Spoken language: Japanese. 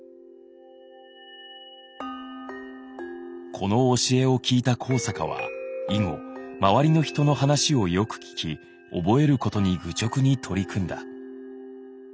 この教えを聞いた高坂は以後周りの人の話をよく聞き覚えることに愚直に取り組んだ。